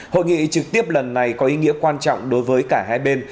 hội nghị trực tiếp lần này có ý nghĩa quan trọng đối với cả hai bên